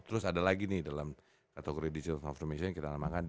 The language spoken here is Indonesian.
terus ada lagi nih dalam kategori digital transformation yang kita namakan the bionic company